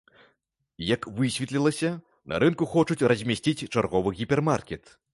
Як высветлілася, на рынку хочуць размясціць чарговы гіпермаркет.